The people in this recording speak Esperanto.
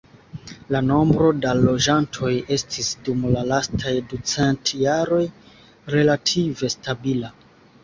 La nombro da loĝantoj estis dum la lastaj ducent jaroj relative stabila.